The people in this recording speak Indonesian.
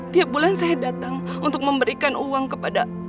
tiap bulan saya datang untuk memberikan uang kepada